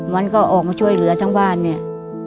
มันก็ออกมาช่วยเหลือทั้งบ้านเนี่ย